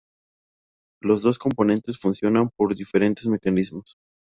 Los dos componentes funcionan por diferentes mecanismos.